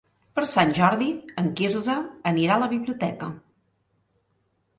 Per Sant Jordi en Quirze anirà a la biblioteca.